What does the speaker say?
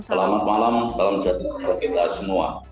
selamat malam salam sejahtera untuk kita semua